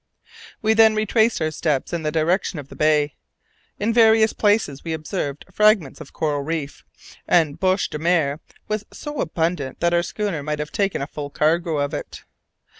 We then retraced our steps in the direction of the bay. In various places we observed fragments of coral reef, and bêche de mer was so abundant that our schooner might have taken a full cargo of it.